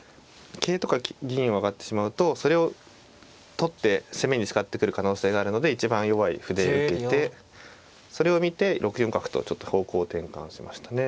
桂とか銀を上がってしまうとそれを取って攻めに使ってくる可能性があるので一番弱い歩で受けてそれを見て６四角とちょっと方向転換しましたね。